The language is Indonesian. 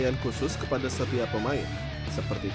ingin menjadi pemain sepak bola profesional